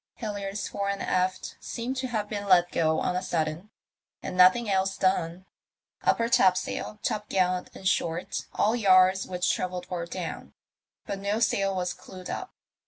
Halliards fore and aft seemed to have been let go on a sudden, and nothing else done. Upper topsail, top gallant —in short, all yards which travelled were down, but no sail was clewed up.